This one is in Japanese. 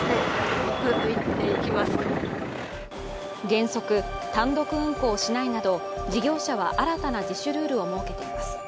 原則、単独運航しないなど事業者は新たな自主ルールを設けています。